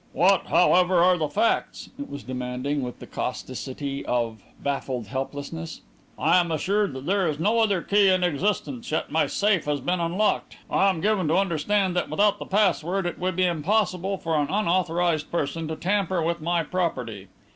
"What, however, are the facts?" it was demanding, with the causticity of baffled helplessness. "I am assured that there is no other key in existence; yet my safe has been unlocked. I am given to understand that without the password it would be impossible for an unauthorized person to tamper with my property.